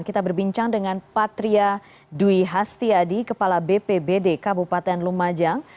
kita berbincang dengan patria dwi hastiadi kepala bpbd kabupaten lumajang